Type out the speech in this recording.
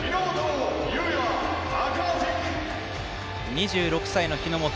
２６歳の日本。